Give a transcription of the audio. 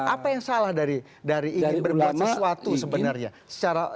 apa yang salah dari ingin berbuat sesuatu sebenarnya